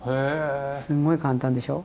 すごい簡単でしょ？